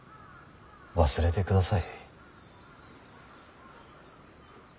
忘れてください。